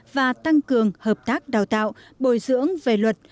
và tăng cường hợp tác đào tạo bồi dưỡng về luật